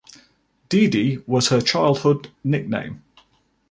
"Didi" was her childhood nickname.